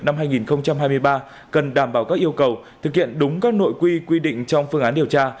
năm hai nghìn hai mươi ba cần đảm bảo các yêu cầu thực hiện đúng các nội quy quy định trong phương án điều tra